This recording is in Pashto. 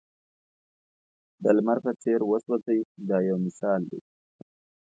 د لمر په څېر وسوځئ دا یو مثال دی.